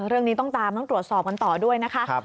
เรื่องนี้ต้องตามต้องตรวจสอบกันต่อด้วยนะคะ